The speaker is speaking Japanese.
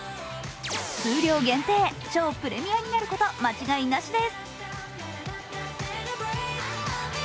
数量限定、超プレミアになること間違いなしです。